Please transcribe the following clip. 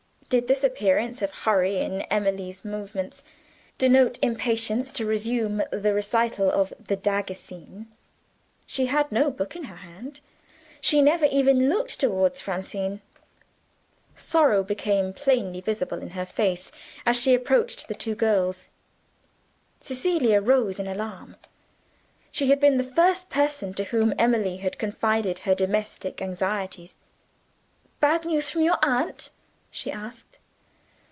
Did this appearance of hurry in Emily's movements denote impatience to resume the recital of "the dagger scene"? She had no book in her hand; she never even looked toward Francine. Sorrow became plainly visible in her face as she approached the two girls. Cecilia rose in alarm. She had been the first person to whom Emily had confided her domestic anxieties. "Bad news from your aunt?" she asked.